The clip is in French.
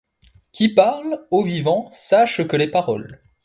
Qui parlent, ô vivant, sache que les paroles